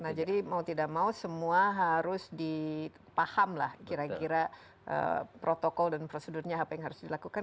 nah jadi mau tidak mau semua harus dipaham lah kira kira protokol dan prosedurnya apa yang harus dilakukan